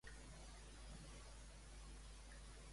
John Vande Velde fou un corredor holandès.